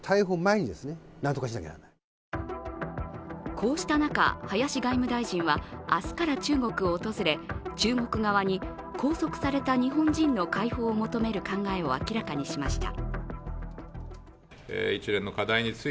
こうした中、林外務大臣は明日から中国を訪れ、中国側に拘束された日本人の解放を求める考えを明らかにしました。